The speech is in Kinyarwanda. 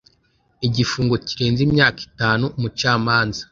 igifungo kirenze imyaka itanu umucamanza